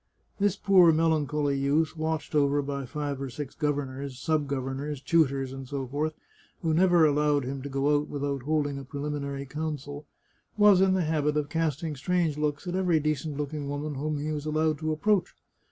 This poor melancholy youth, watched over by five or six governors, sub governors, tutors, etc., who never allowed him to go out without holding a preliminary council, was in the habit of casting strange looks at every decent looking woman whom he was allowed to approach.